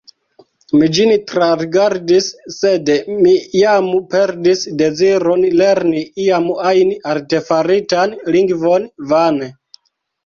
Mi ĝin trarigardis, sed mi jam perdis deziron lerni iam ajn artefaritan lingvon vane.